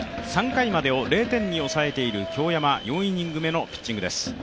３回までを０点に抑えている京山、４イニング目のピッチングです。